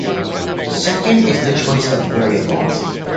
Second is the choice of variables.